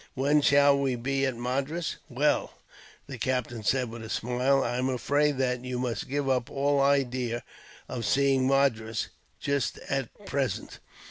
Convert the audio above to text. "When shall we be at Madras?" "Well," the captain said with a smile, "I am afraid that you must give up all idea of seeing Madras, just at present.